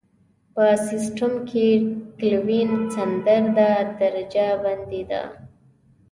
په سیسټم کې کلوین ستندرده درجه بندي ده.